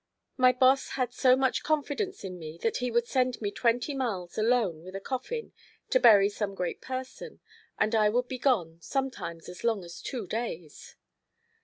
My boss had so much confidence in me that he would send me twenty miles alone with a coffin to bury some great person, and I would be gone, sometimes, as long as two days.